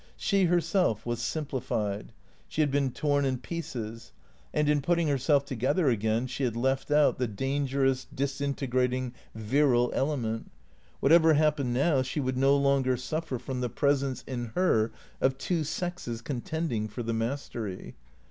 She herself was simplified. She had been torn in pieces ; and in putting herself together again she had left out the dangerous, disintegrating, virile element. Whatever hap pened now, she would no longer suffer from the presence in her of two sexes contending for the mastery.